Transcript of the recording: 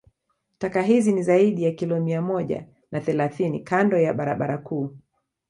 Taka hizi ni zaidi ya kilo mia moja na thelasini kando ya barabara kuu